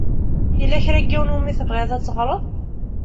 Yella kra n yiwen i wumi tebɣiḍ ad teɣṛeḍ?